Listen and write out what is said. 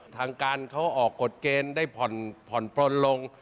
ทางการเขาออกกฎเกณฑ์ได้ผ่อนปลนลง